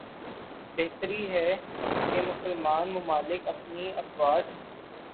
بہتر ہے کہ مسلمان ممالک اپنی افواج